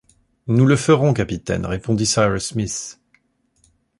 Nous le ferons, capitaine, répondit Cyrus Smith.